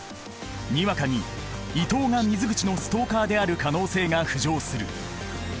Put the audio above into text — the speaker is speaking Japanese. にわかに伊藤が水口のストーカーである可能性が浮上する。